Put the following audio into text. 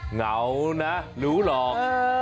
เหงานะหลูหลอก